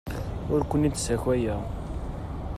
Ur ken-id-ssakayeɣ.